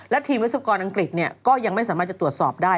และทีมวิศวกรอังกฤษก็ยังไม่สามารถจะตรวจสอบได้